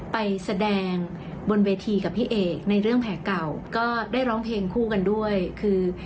ไปแสดงบนเวทีกับพี่เอกในเรื่องแผลเก่าก็ได้ร้องเพลงคู่กันด้วยคือ